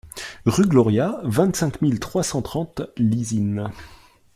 Rue Gloria, vingt-cinq mille trois cent trente Lizine